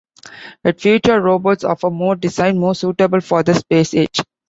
It featured robots of a more design more suitable for the Space Age.